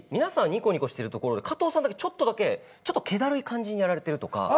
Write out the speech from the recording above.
にこにこしてるところで加藤さんだけちょっとだけちょっと気だるい感じにやられてるとか。